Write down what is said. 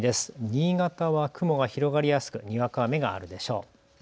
新潟は雲が広がりやすく、にわか雨があるでしょう。